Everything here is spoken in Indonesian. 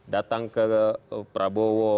datang ke prabowo